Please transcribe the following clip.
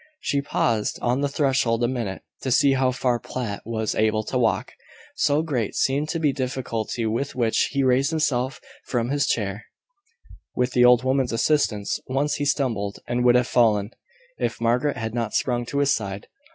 She paused on the threshold a minute, to see how far Platt was able to walk; so great seemed to be the difficulty with which he raised himself from his chair, with the old woman's assistance. Once he stumbled, and would have fallen, if Margaret had not sprung to his side.